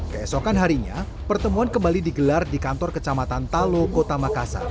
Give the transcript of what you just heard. keesokan harinya pertemuan kembali digelar di kantor kecamatan talo kota makassar